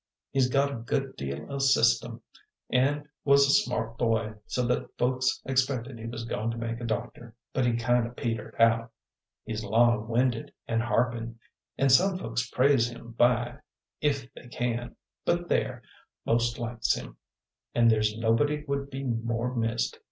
He's got a good deal o' system, an' was a smart boy, so that folks expected he was goin' to make a doctor, but he kind o' petered out. He's long winded an' harpin', an' some folks prays him by if they can; but there, most likes him, an' there's nobody would be more missed.